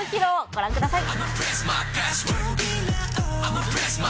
ご覧ください。